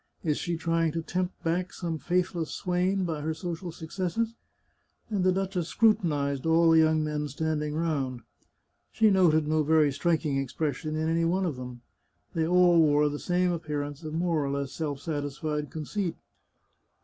Is she trying to tempt back some faithless swain by her social successes ?" And the duchess scrutinized all the young men standing round. She noted no very striking expression in any one of them. They all wore the same appearance of more or less self sat isfied conceit.